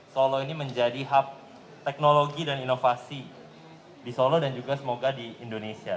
solo ini menjadi hub teknologi dan inovasi di solo dan juga semoga di indonesia